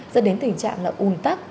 dẫn đến tình trạng là ùn tắc